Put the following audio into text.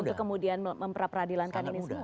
untuk kemudian memperadilankan ini semua